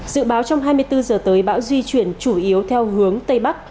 dự báo trong hai mươi bốn giờ tới bão di chuyển chủ yếu theo hướng tây bắc